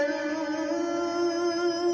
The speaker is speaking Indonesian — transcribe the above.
nih makan dulu nih